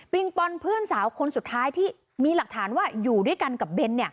ปอนเพื่อนสาวคนสุดท้ายที่มีหลักฐานว่าอยู่ด้วยกันกับเบน